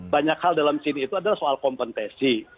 banyak hal dalam sini itu adalah soal kompetensi